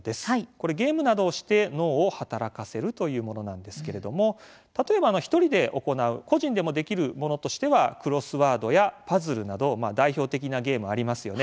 これゲームなどをして脳を働かせるというものなんですけれども例えば１人で行う個人でもできるものとしてはクロスワードやパズルなど代表的なゲームありますよね。